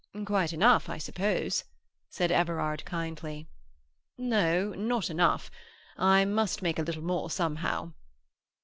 "Quite enough, I suppose," said Everard kindly. "Not—not enough. I must make a little more somehow."